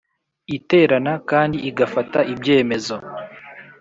Iterana kandi igafata ibyemezo